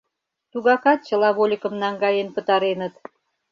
Тугакат чыла вольыкым наҥгаен пытареныт.